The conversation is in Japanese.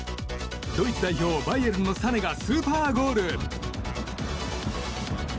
ドイツ代表、バイエルンのサネがスーパーゴール。